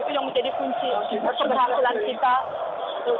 itu yang menjadi fungsi berkeberhasilan kita